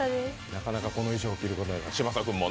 なかなかこの衣装を着ることないから。